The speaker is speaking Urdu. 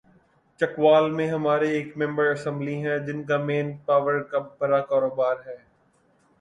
چکوال میں ہمارے ایک ممبر اسمبلی ہیں‘ جن کا مین پاور کا بڑا کاروبار ہے۔